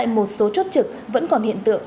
một số chốt trực vẫn còn hiện tượng